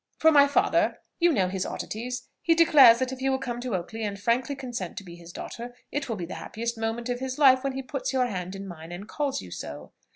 For my father, you know his oddities, he declares that if you will come to Oakley and frankly consent to be his daughter, it will be the happiest moment of his life when he puts your hand in mine, and calls you so.